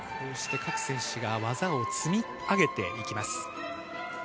各選手が技を積み上げていきます。